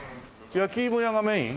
焼き芋屋がメイン？